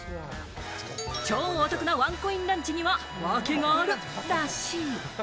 超お得なワンコインランチには訳があるらしい。